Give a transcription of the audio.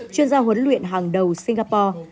chuyên gia huấn luyện hàng đầu singapore